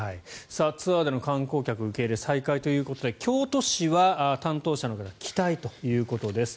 ツアーでの観光客受け入れ再開ということで京都市は担当者の方期待ということです。